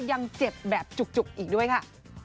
ยังเจ็บแบบจุกอีกด้วยค่ะ